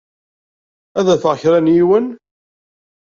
Ad d-afeɣ kra n yiwen.